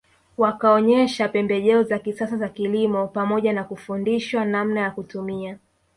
Wakaonyesha pembejeo za kisasa za kilimo pamoja na kufundishwa namna ya kutumia